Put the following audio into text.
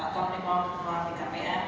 pak komunikator ketua pkpm